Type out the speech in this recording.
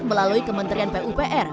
melalui kementerian pupr